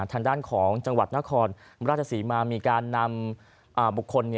ทางด้านของจังหวัดนครราชศรีมามีการนำบุคคล